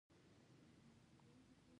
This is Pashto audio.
تاسې فاشیستانو ته بیخي د تېښتې ځای نشته